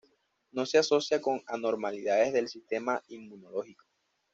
No se asocia con anormalidades del sistema inmunológico.